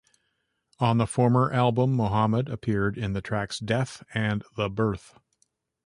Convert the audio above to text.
On the former album, Muhammad appeared in the tracks "Death" and "The Birth".